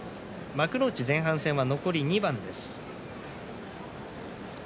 幕内前半戦は残り２番です。